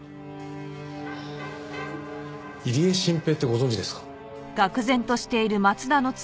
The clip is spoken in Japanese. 入江慎平ってご存じですか？